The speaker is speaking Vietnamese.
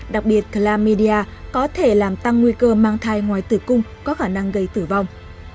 đặc biệt claminia có thể làm tăng nguy cơ mang thai ngoài tử cung có khả năng gây tử vong